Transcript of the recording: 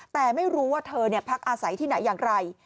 แต่ไม่รู้ว่าเธอพักอาศัยที่ไหนอย่างไร